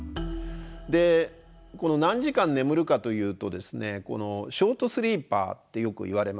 で何時間眠るかというとですねショートスリーパーってよくいわれますね。